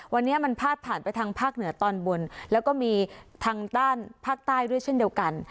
วันนี้มันพาดผ่านไปทางภาคเหนือตอนบนแล้วก็มีทางด้านภาคใต้ด้วยเช่นเดียวกัน